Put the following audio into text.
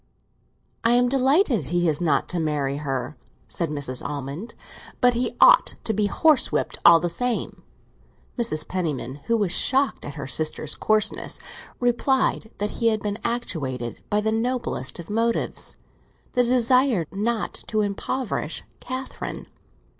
"I am delighted he is not to marry her," said Mrs. Almond, "but he ought to be horsewhipped all the same." Mrs. Penniman, who was shocked at her sister's coarseness, replied that he had been actuated by the noblest of motives—the desire not to impoverish Catherine.